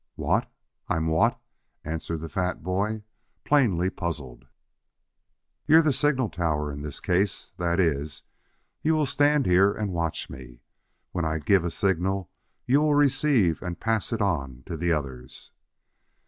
"What? I'm what?" answered the fat boy, plainly puzzled. "You are the signal tower in this case. That is, you will stand here and watch me. When I give a signal you will receive and pass it on to the others."